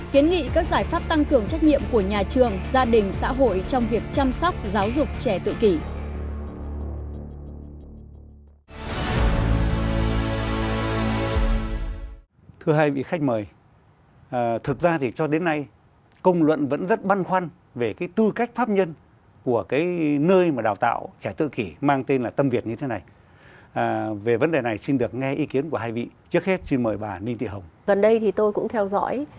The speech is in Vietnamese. kiến nghị các giải pháp tăng cường trách nhiệm của nhà trường gia đình xã hội trong việc chăm sóc giáo dục trẻ tự kỷ